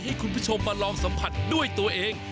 ให้คุณผู้ชมมาลองสัมผัสด้วยตัวเอง